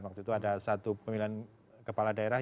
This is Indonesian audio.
waktu itu ada satu pemilihan kepala daerah